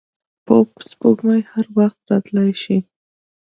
پوپ سپوږمۍ هر وخت راتلای شي.